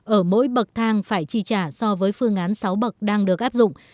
ở mỗi bậc thang phải chi trả so với phương án sáu bậc đang được áp dụng